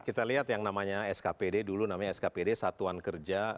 kita lihat yang namanya skpd dulu namanya skpd satuan kerja